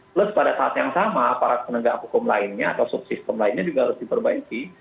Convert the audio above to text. plus pada saat yang sama para penegak hukum lainnya atau subsistem lainnya juga harus diperbaiki